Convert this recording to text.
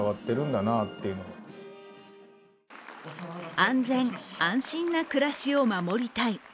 安全・安心な暮らしを守りたい。